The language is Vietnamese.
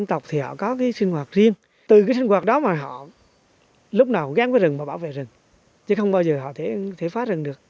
từ cái sinh hoạt đó mà họ lúc nào cũng gán với rừng và bảo vệ rừng chứ không bao giờ họ thể phá rừng được